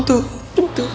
itu itu itu